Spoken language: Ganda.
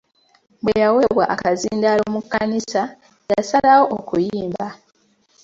Bwe yaweebwa okazindaalo mu kkanisa, yasalawo okuyimba.